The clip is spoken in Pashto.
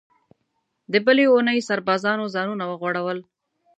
د بلې اوونۍ سربازانو ځانونه وغوړول.